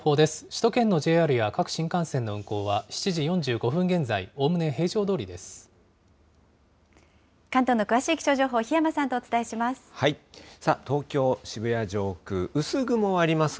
首都圏のＪＲや各新幹線の運行は７時４５分現在、おおむね平常ど関東の詳しい気象情報、檜山さんとお伝えします。